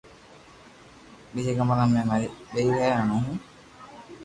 ٻيجا ڪمرا مي مري ٻير ھين ھون ھون